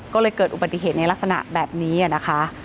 ก็เลยเกิดอุบัติเหตุในลักษณะแบบนี้นะคะ